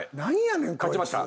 はい勝ちました。